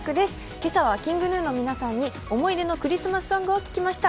今朝はＫｉｎｇＧｎｕの皆さんに思い出のクリスマスソングを聞きました。